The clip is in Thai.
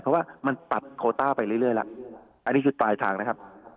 เพราะว่ามันตัดโคต้าไปเรื่อยแล้วอันนี้คือปลายทางนะครับ